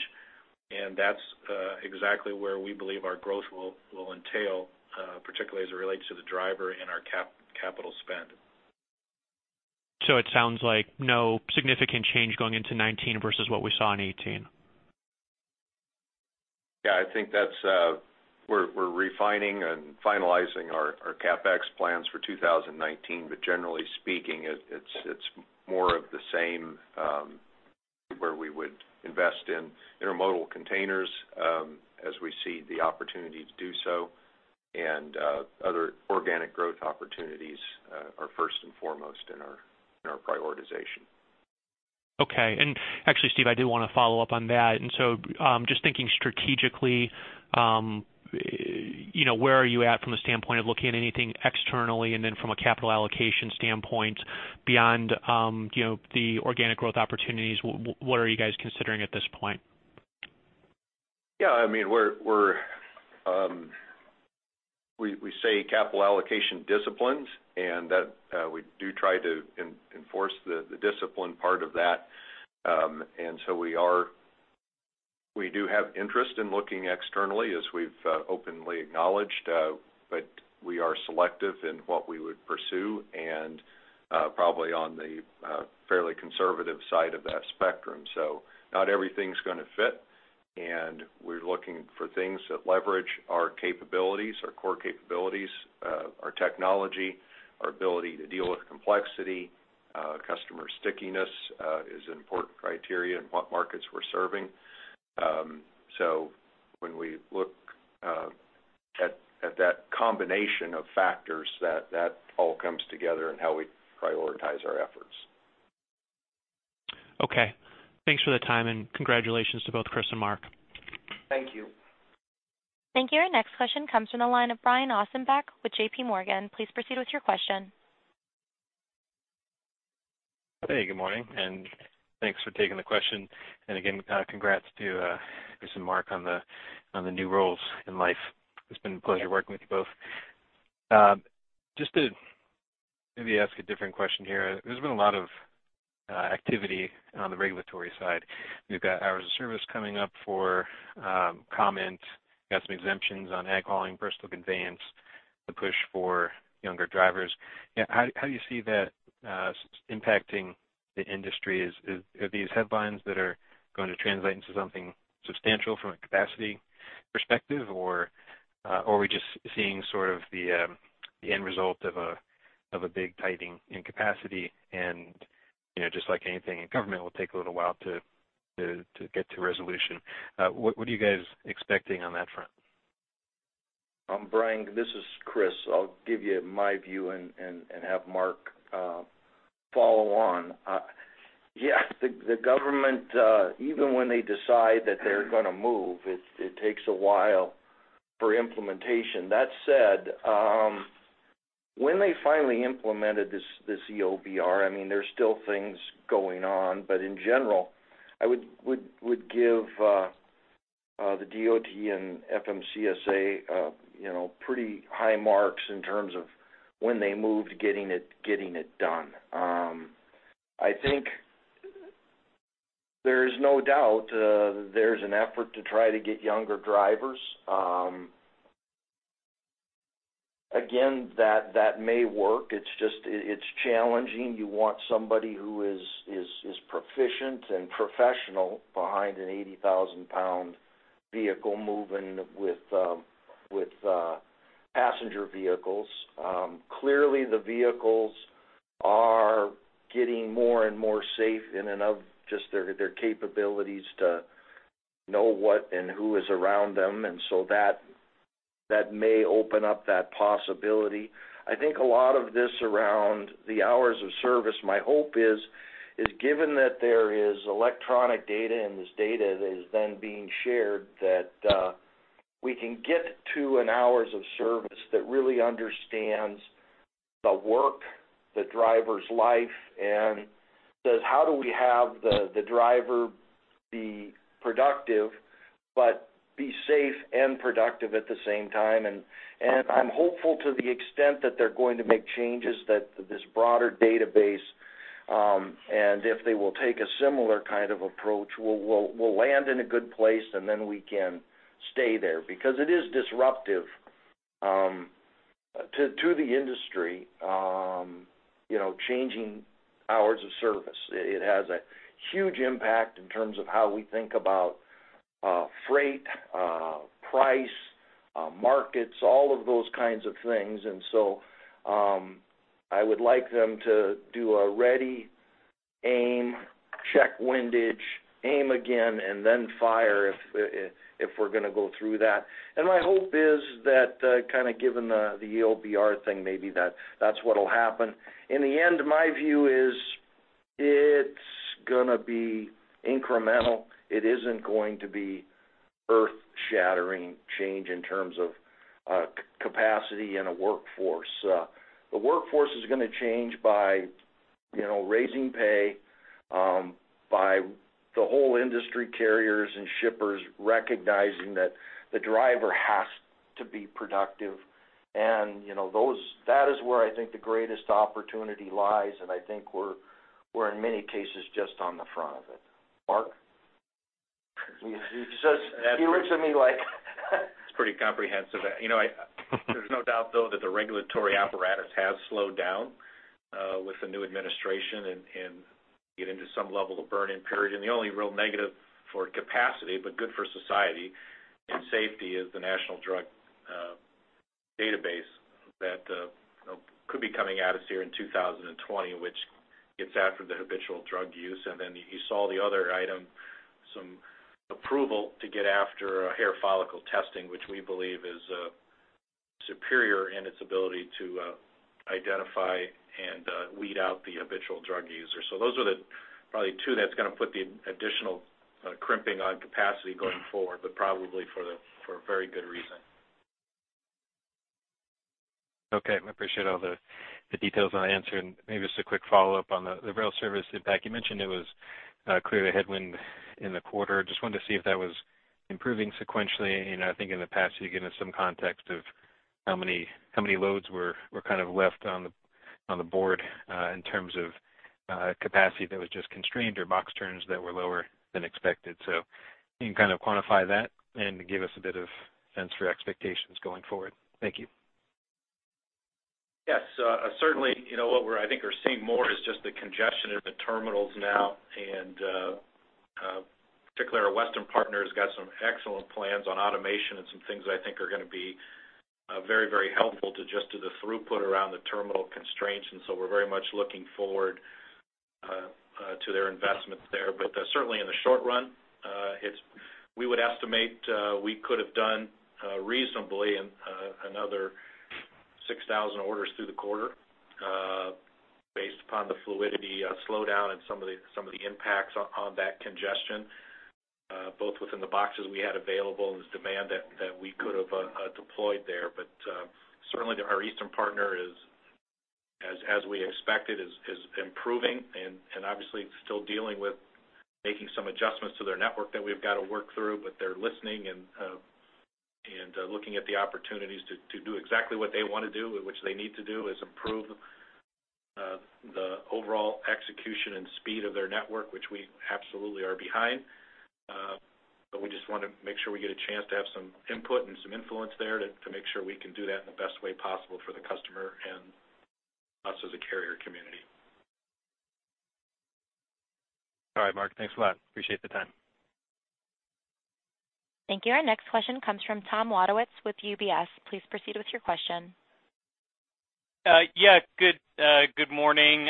and that's exactly where we believe our growth will entail, particularly as it relates to the driver and our capital spend. It sounds like no significant change going into 2019 versus what we saw in 2018? Yeah, I think that's. We're refining and finalizing our CapEx plans for 2019, but generally speaking, it's more of the same, where we would invest in Intermodal containers, as we see the opportunity to do so, and other organic growth opportunities are first and foremost in our prioritization. Okay. Actually, Steve, I do want to follow up on that. So, just thinking strategically, you know, where are you at from the standpoint of looking at anything externally? Then from a capital allocation standpoint, beyond, you know, the organic growth opportunities, what, what are you guys considering at this point? Yeah, I mean, we're we say capital allocation disciplines, and that we do try to enforce the discipline part of that. And so we do have interest in looking externally, as we've openly acknowledged, but we are selective in what we would pursue and, probably on the fairly conservative side of that spectrum. So not everything's gonna fit, and we're looking for things that leverage our capabilities, our core capabilities, our technology, our ability to deal with complexity, customer stickiness is an important criteria in what markets we're serving. So when we look at that combination of factors, that all comes together in how we prioritize our efforts. Okay. Thanks for the time, and congratulations to both Chris and Mark. Thank you. Thank you. Our next question comes from the line of Brian Ossenbeck with JPMorgan. Please proceed with your question. Hey, good morning, and thanks for taking the question. And again, congrats to Chris and Mark on the new roles in life. It's been a pleasure working with you both. Just to maybe ask a different question here, there's been a lot of activity on the regulatory side. You've got hours of service coming up for comment, you've got some exemptions on ag hauling, personal conveyance, the push for younger drivers. How do you see that impacting the industry? Are these headlines that are going to translate into something substantial from a capacity perspective, or are we just seeing sort of the end result of a big tightening in capacity and, you know, just like anything in government, will take a little while to get to resolution? What are you guys expecting on that front? Brian, this is Chris. I'll give you my view and have Mark follow on. Yes, the government, even when they decide that they're gonna move, it takes a while for implementation. That said, when they finally implemented this EOBR, I mean, there's still things going on. But in general, I would give the DOT and FMCSA, you know, pretty high marks in terms of when they moved, getting it done. I think there is no doubt, there's an effort to try to get younger drivers. Again, that may work. It's just, it's challenging. You want somebody who is proficient and professional behind an 80,000 lbs vehicle moving with passenger vehicles. Clearly, the vehicles-... are getting more and more safe in and of just their capabilities to know what and who is around them, and so that may open up that possibility. I think a lot of this around the hours of service, my hope is, given that there is electronic data, and this data is then being shared, that we can get to an hours of service that really understands the work, the driver's life, and says, how do we have the driver be productive, but be safe and productive at the same time? And I'm hopeful to the extent that they're going to make changes that this broader database, and if they will take a similar kind of approach, we'll land in a good place, and then we can stay there. Because it is disruptive, to the industry, you know, changing hours of service. It has a huge impact in terms of how we think about, freight, price, markets, all of those kinds of things. And so, I would like them to do a ready, aim, check windage, aim again, and then fire if, if we're gonna go through that. And my hope is that, kind of given the, the ELD thing, maybe that's what'll happen. In the end, my view is it's gonna be incremental. It isn't going to be earth-shattering change in terms of, capacity and a workforce. The workforce is gonna change by, you know, raising pay, by the whole industry carriers and shippers recognizing that the driver has to be productive. And, you know, those—that is where I think the greatest opportunity lies, and I think we're, we're, in many cases, just on the front of it. Mark? You just—you written to me like It's pretty comprehensive. You know, there's no doubt, though, that the regulatory apparatus has slowed down with the new administration and get into some level of burn-in period. And the only real negative for capacity, but good for society and safety, is the national drug database that you know could be coming at us here in 2020, which gets after the habitual drug use. And then you saw the other item, some approval to get after hair follicle testing, which we believe is superior in its ability to identify and weed out the habitual drug user. So those are the probably two that's gonna put the additional crimping on capacity going forward, but probably for a very good reason. Okay, I appreciate all the details on the answer. Maybe just a quick follow-up on the rail service impact. You mentioned it was clearly a headwind in the quarter. Just wanted to see if that was improving sequentially. I think in the past, you gave us some context of how many loads were kind of left on the board in terms of capacity that was just constrained or box turns that were lower than expected. So can you kind of quantify that and give us a bit of sense for expectations going forward? Thank you. Yes, certainly, you know, what we're, I think, are seeing more is just the congestion in the terminals now. And, particularly our western partner has got some excellent plans on automation and some things that I think are gonna be very, very helpful to the throughput around the terminal constraints, and so we're very much looking forward to their investments there. But, certainly in the short run, we would estimate we could have done, reasonably, another 6,000 orders through the quarter, based upon the fluidity slowdown and some of the impacts on that congestion, both within the boxes we had available and the demand that we could have deployed there. But certainly our eastern partner is, as we expected, improving and obviously still dealing with making some adjustments to their network that we've got to work through, but they're listening and looking at the opportunities to do exactly what they want to do, and which they need to do, is improve the overall execution and speed of their network, which we absolutely are behind. But we just want to make sure we get a chance to have some input and some influence there to make sure we can do that in the best way possible for the customer and us as a carrier community. All right, Mark, thanks a lot. Appreciate the time. Thank you. Our next question comes from Tom Wadewitz with UBS. Please proceed with your question. Yeah, good morning.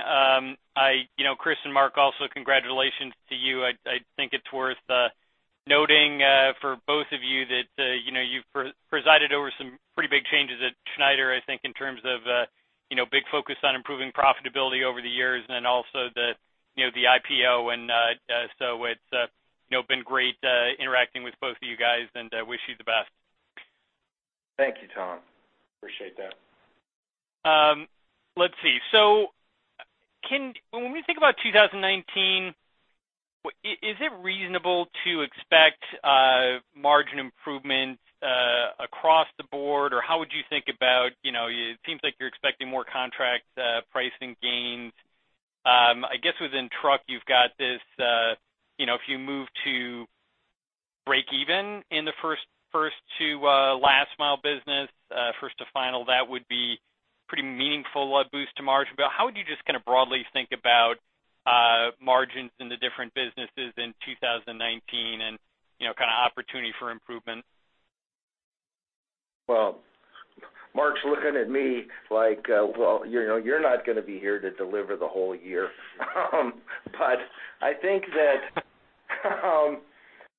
You know, Chris and Mark, also congratulations to you. I think it's worth noting for both of you that you know, you've presided over some pretty big changes at Schneider. I think in terms of you know, big focus on improving profitability over the years and then also the you know, the IPO. So it's you know, been great interacting with both of you guys, and wish you the best. Thank you, Tom. Appreciate that. Let's see. When we think about 2019, is it reasonable to expect margin improvements across the board? Or how would you think about, you know, it seems like you're expecting more contract pricing gains. I guess within truck, you've got this, you know, if you move to break even in the First to Final Mile business, that would be pretty meaningful, a boost to margin. But how would you just kind of broadly think about margins in the different businesses in 2019 and, you know, kind of opportunity for improvement?... Well, Mark's looking at me like, well, you know, you're not gonna be here to deliver the whole year. But I think that,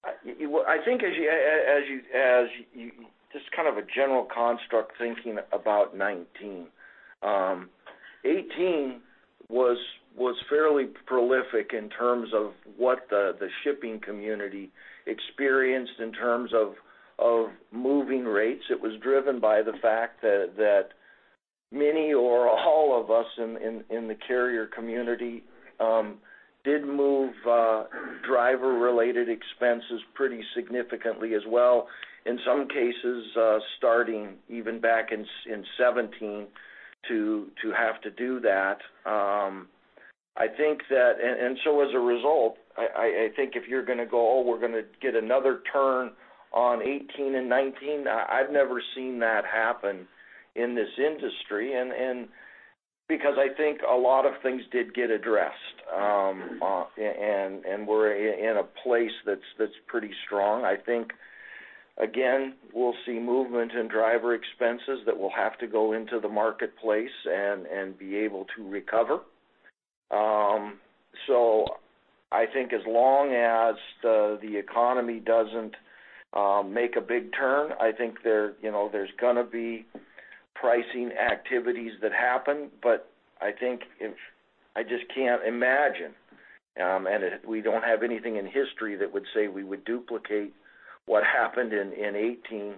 I think as you just kind of a general construct thinking about 2019, 2018 was fairly prolific in terms of what the shipping community experienced in terms of moving rates. It was driven by the fact that many or all of us in the carrier community did move driver-related expenses pretty significantly as well, in some cases, starting even back in 2017 to have to do that. I think that - and so as a result, I think if you're gonna go, Oh, we're gonna get another turn on 2018 and 2019, I've never seen that happen in this industry, and because I think a lot of things did get addressed, and we're in a place that's pretty strong. I think, again, we'll see movement in driver expenses that will have to go into the marketplace and be able to recover. So I think as long as the economy doesn't make a big turn, I think there, you know, there's gonna be pricing activities that happen. But I think if - I just can't imagine, and we don't have anything in history that would say we would duplicate what happened in 2018 in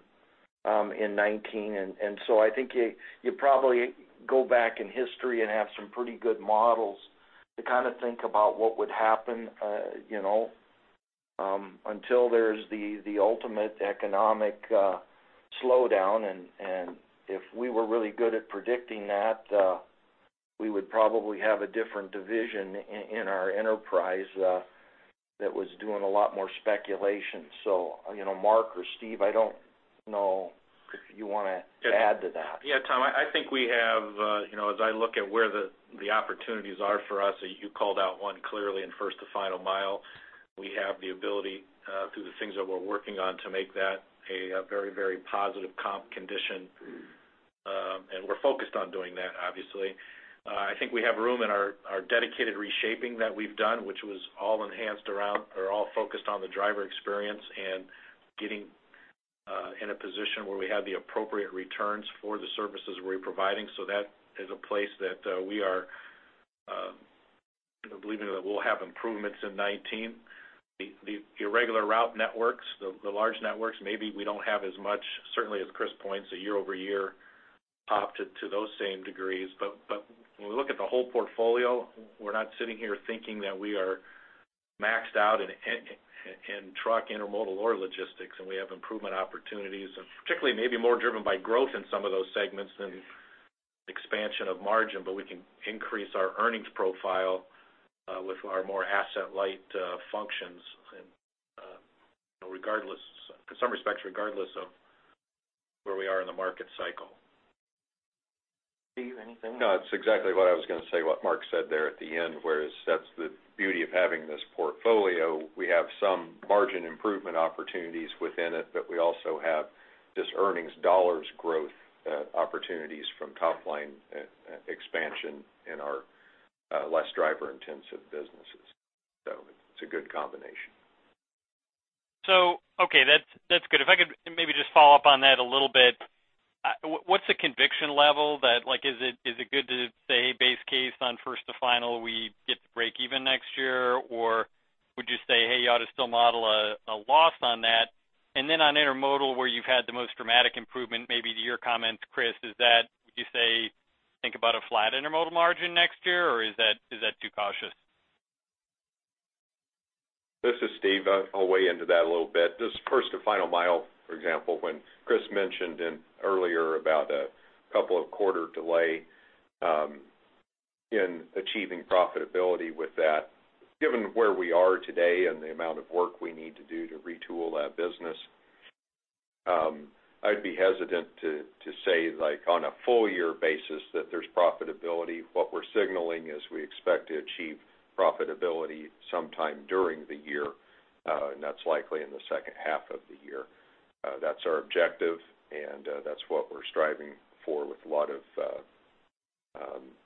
2019. And so I think you probably go back in history and have some pretty good models to kind of think about what would happen, you know, until there's the ultimate economic slowdown. And if we were really good at predicting that, we would probably have a different division in our enterprise that was doing a lot more speculation. So, you know, Mark or Steve, I don't know if you want to add to that. Yeah, Tom, I think we have, you know, as I look at where the opportunities are for us, you called out one clearly in First to Final Mile. We have the ability, through the things that we're working on, to make that a very, very positive comp condition, and we're focused on doing that, obviously. I think we have room in our Dedicated reshaping that we've done, which was all enhanced around or all focused on the driver experience and getting in a position where we have the appropriate returns for the services we're providing. So that is a place that we are believing that we'll have improvements in 2019. The irregular route networks, the large networks, maybe we don't have as much, certainly, as Chris points, a year-over-year pop to those same degrees. But when we look at the whole portfolio, we're not sitting here thinking that we are maxed out in truck, Intermodal, or Logistics, and we have improvement opportunities, and particularly maybe more driven by growth in some of those segments than expansion of margin. But we can increase our earnings profile with our more asset-light functions, and regardless, in some respects, regardless of where we are in the market cycle. Steve, anything? No, it's exactly what I was gonna say, what Mark said there at the end, whereas that's the beauty of having this portfolio. We have some margin improvement opportunities within it, but we also have just earnings dollars growth, opportunities from top-line expansion in our, less driver-intensive businesses. So it's a good combination. So, okay, that's, that's good. If I could maybe just follow up on that a little bit. What, what's the conviction level that—like, is it, is it good to say base case on first to final, we get to break even next year? Or would you say, "Hey, you ought to still model a, a loss on that?" And then on Intermodal, where you've had the most dramatic improvement, maybe to your comment, Chris, is that, would you say, think about a flat Intermodal margin next year, or is that, is that too cautious? This is Steve. I'll weigh into that a little bit. This First to Final Mile, for example, when Chris mentioned earlier about a couple-quarter delay in achieving profitability with that, given where we are today and the amount of work we need to do to retool that business, I'd be hesitant to say, like, on a full year basis, that there's profitability. What we're signaling is we expect to achieve profitability sometime during the year, and that's likely in the second half of the year. That's our objective, and that's what we're striving for with a lot of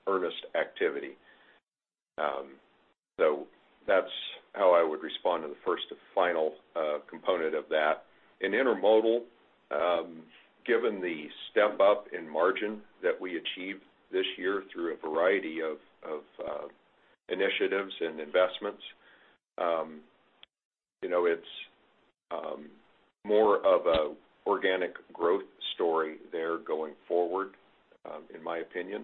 earnest activity. So that's how I would respond to the First to Final component of that. In Intermodal, given the step-up in margin that we achieved this year through a variety of initiatives and investments, you know, it's more of a organic growth story there going forward, in my opinion,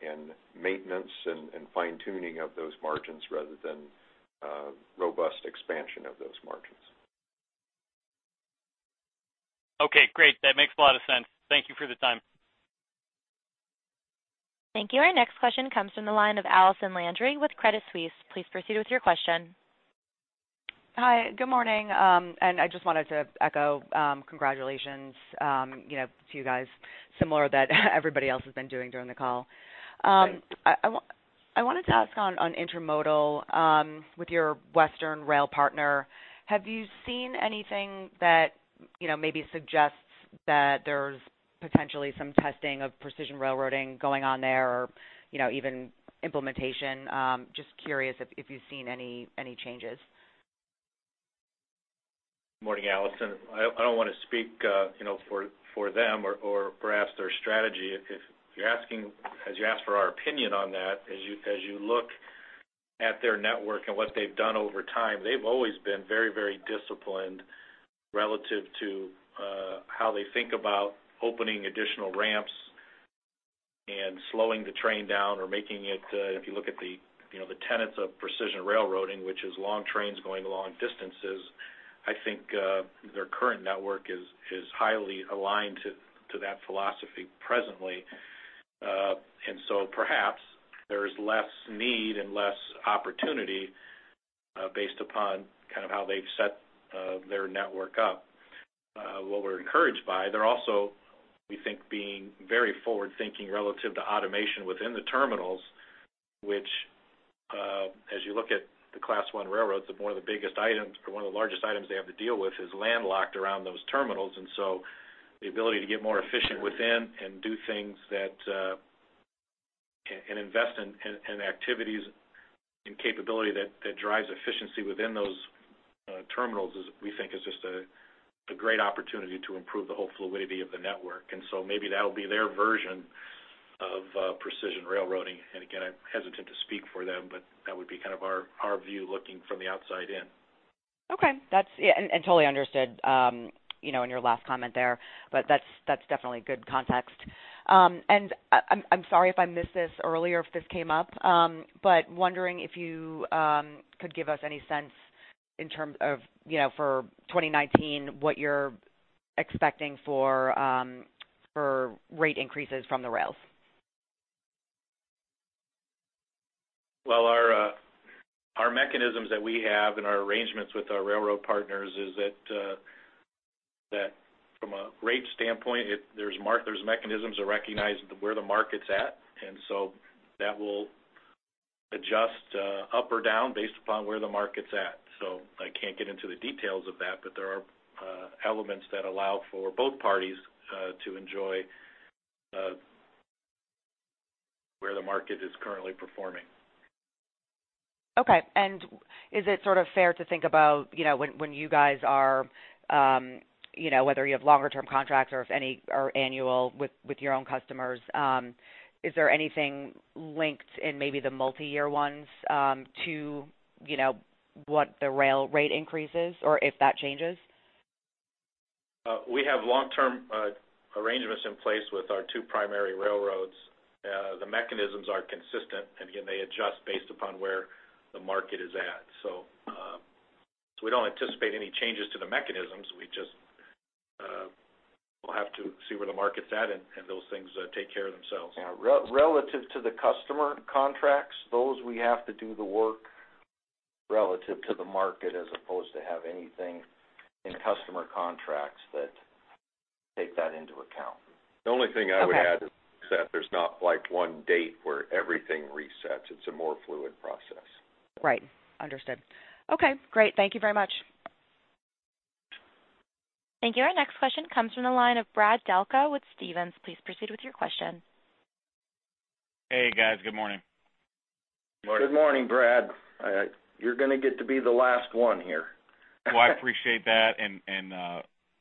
and maintenance and fine-tuning of those margins rather than robust expansion of those margins. Okay, great. That makes a lot of sense. Thank you for the time. Thank you. Our next question comes from the line of Allison Landry with Credit Suisse. Please proceed with your question. Hi, good morning. I just wanted to echo congratulations, you know, to you guys, similar that everybody else has been doing during the call. I wanted to ask on Intermodal, with your Western rail partner, have you seen anything that, you know, maybe suggests that there's potentially some testing of Precision Railroading going on there, or, you know, even implementation? Just curious if you've seen any changes. Morning, Allison. I don't wanna speak, you know, for them or perhaps their strategy. If you're asking -- as you ask for our opinion on that, as you look at their network and what they've done over time, they've always been very, very disciplined relative to how they think about opening additional ramps and slowing the train down or making it, if you look at the, you know, the tenets of Precision Railroading, which is long trains going long distances, I think, their current network is highly aligned to that philosophy presently. And so perhaps there is less need and less opportunity, based upon kind of how they've set their network up. What we're encouraged by, they're also, we think, being very forward-thinking relative to automation within the terminals, which, as you look at the Class I railroads, one of the biggest items or one of the largest items they have to deal with is landlocked around those terminals. And so the ability to get more efficient within and do things that invest in activities and capability that drives efficiency within those terminals is, we think, just a great opportunity to improve the whole fluidity of the network. And so maybe that'll be their version of precision railroading. And again, I'm hesitant to speak for them, but that would be kind of our view looking from the outside in. Okay. That's... Yeah, and totally understood, you know, in your last comment there, but that's, that's definitely good context. I'm sorry if I missed this earlier, if this came up, but wondering if you could give us any sense in terms of, you know, for 2019, what you're expecting for, for rate increases from the rails? Well, our mechanisms that we have and our arrangements with our railroad partners is that from a rate standpoint, there's mechanisms that recognize where the market's at, and so that will adjust up or down based upon where the market's at. So I can't get into the details of that, but there are elements that allow for both parties to enjoy where the market is currently performing. Okay. And is it sort of fair to think about, you know, when you guys are, you know, whether you have longer term contracts or if any, or annual with your own customers, is there anything linked in maybe the multi-year ones, to, you know, what the rail rate increase is or if that changes? We have long-term arrangements in place with our two primary railroads. The mechanisms are consistent, and again, they adjust based upon where the market is at. So, so we don't anticipate any changes to the mechanisms. We just, we'll have to see where the market's at, and, and those things, take care of themselves. Yeah, relative to the customer contracts, those we have to do the work relative to the market, as opposed to have anything in customer contracts that take that into account. The only thing I would add- Okay... is that there's not like one date where everything resets. It's a more fluid process. Right. Understood. Okay, great. Thank you very much. Thank you. Our next question comes from the line of Brad Delco with Stephens. Please proceed with your question. Hey, guys. Good morning. Good morning, Brad. You're gonna get to be the last one here. Well, I appreciate that.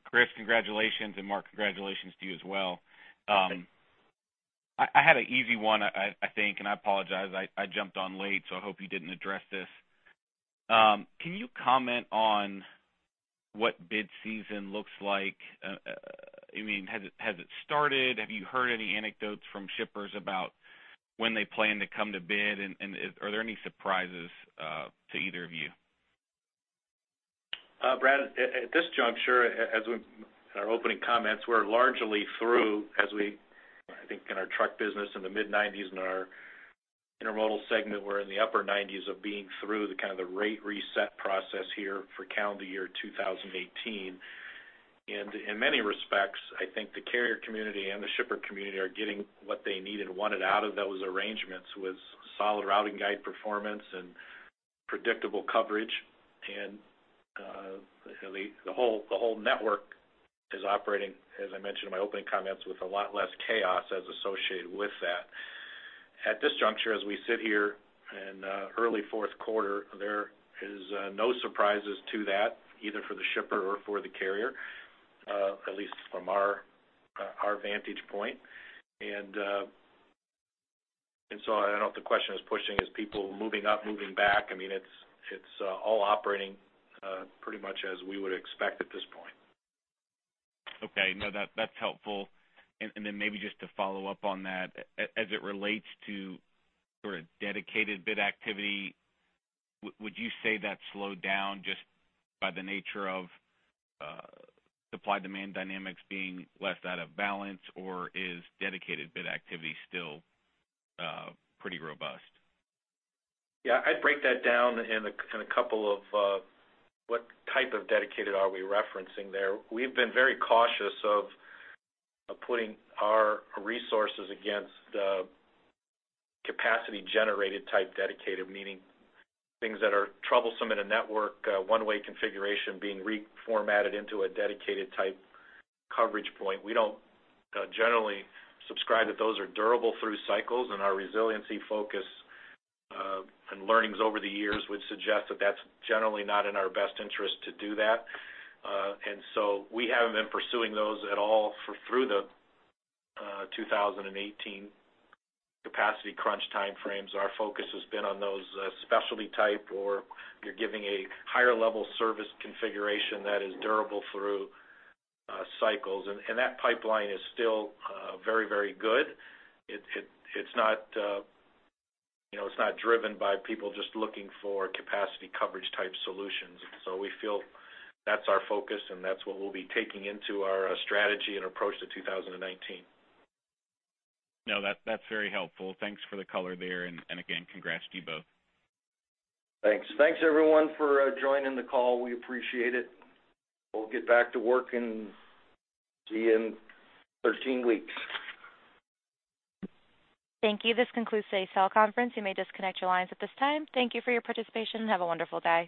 Chris, congratulations, and Mark, congratulations to you as well. I had an easy one, I think, and I apologize, I jumped on late, so I hope you didn't address this. Can you comment on what bid season looks like? I mean, has it started? Have you heard any anecdotes from shippers about when they plan to come to bid? And are there any surprises to either of you? Brad, at this juncture, as we, in our opening comments, we're largely through as we, I think, in our truck business in the mid-90s and our Intermodal segment, we're in the upper 90s of being through the kind of the rate reset process here for calendar year 2018. In many respects, I think the carrier community and the shipper community are getting what they need and wanted out of those arrangements, with solid routing guide performance and predictable coverage. The whole network is operating, as I mentioned in my opening comments, with a lot less chaos as associated with that. At this juncture, as we sit here in early fourth quarter, there is no surprises to that, either for the shipper or for the carrier, at least from our vantage point. So I don't know if the question is pushing, is people moving up, moving back? I mean, it's, it's, all operating pretty much as we would expect at this point. Okay. No, that, that's helpful. And, and then maybe just to follow up on that, as it relates to sort of Dedicated bid activity, would you say that slowed down just by the nature of, supply-demand dynamics being less out of balance, or is Dedicated bid activity still, pretty robust? Yeah, I'd break that down in a couple of what type of dedicated are we referencing there. We've been very cautious of putting our resources against the capacity-generated type dedicated, meaning things that are troublesome in a network, one-way configuration being reformatted into a dedicated type coverage point. We don't generally subscribe that those are durable through cycles, and our resiliency focus and learnings over the years would suggest that that's generally not in our best interest to do that. And so we haven't been pursuing those at all through the 2018 capacity crunch timeframes. Our focus has been on those specialty type, or you're giving a higher level service configuration that is durable through cycles. And that pipeline is still very, very good. It's not, you know, it's not driven by people just looking for capacity coverage type solutions. So we feel that's our focus, and that's what we'll be taking into our strategy and approach to 2019. No, that, that's very helpful. Thanks for the color there. And, and again, congrats to you both. Thanks. Thanks, everyone, for joining the call. We appreciate it. We'll get back to work, and see you in 13 weeks. Thank you. This concludes today's teleconference. You may disconnect your lines at this time. Thank you for your participation, and have a wonderful day.